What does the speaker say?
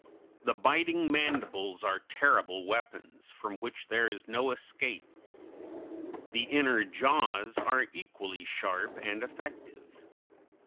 The biting mandibles (Fig. 174) are terrible weapons, from which there is no escape. The inner jaws (Fig. 175) are equally sharp and effective.